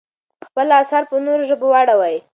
خپل اثار په نورو ژبو واړوئ.